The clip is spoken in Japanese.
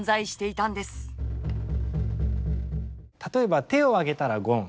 例えば手を上げたらゴン。